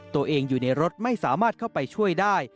อยู่ในรถไม่สามารถเข้าไปช่วยได้